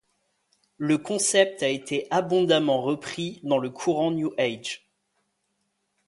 Le concept a été abondamment repris dans le courant New Age.